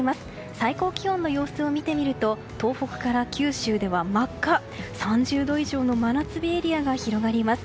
最高気温の様子を見てみると東北から九州では真っ赤、３０度以上の真夏日エリアが広がります。